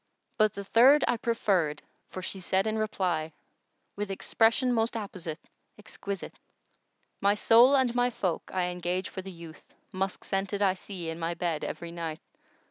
But the third I preferred for she said in reply, * With expression most apposite, exquisite:— My soul and my folk I engage for the youth * Musk scented I see in my bed every night!